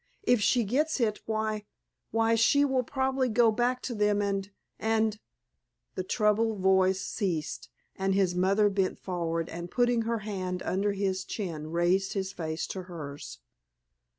If she gets it why—why she will probably go back to them—and—and——" The troubled voice ceased, and his mother bent forward and putting her hand under his chin raised his face to hers.